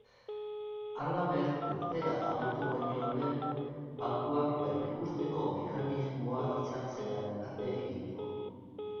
Halaber, urtea amaitu baino lehen bankuak berrikusteko mekanismoa hitzartzearen alde egin du.